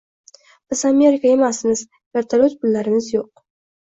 Biz Amerika emasmiz, “vertolyot pullarimiz” yoʻq.